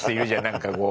何かこう。